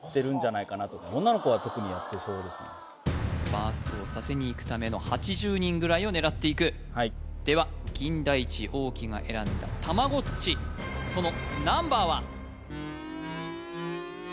バーストをさせにいくための８０人ぐらいを狙っていくでは金田一央紀が選んだたまごっちそのナンバーは？